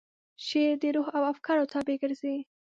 شعر د روح او افکارو تابع ګرځي.